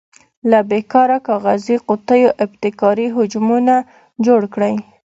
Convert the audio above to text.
له بې کاره کاغذي قطیو ابتکاري حجمونه جوړ کړئ.